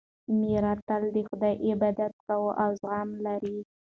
ماریا تل د خدای عبادت کوي او زغم لري.